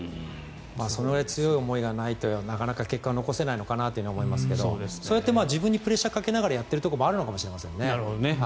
そのぐらい強い思いがないとなかなか結果が残せないのかなと思いますけどそうやって自分にプレッシャーかけながらやっているところもあるのかもしれないですね。